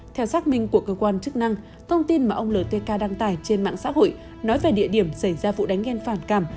theo xác minh của cơ quan chức năng thông tin mà ông ltk đăng tải trên mạng xã hội nói về địa điểm xảy ra vụ đánh gen phản cảm